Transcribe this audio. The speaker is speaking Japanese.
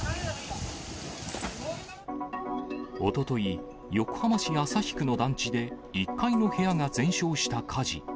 おととい、横浜市旭区の団地で、１階の部屋が全焼した火事。